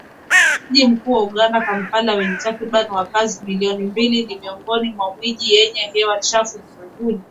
Mji mkuu wa Uganda, Kampala wenye takribani wakazi milioni mbili ni miongoni mwa miji yenye hewa chafu ulimwenguni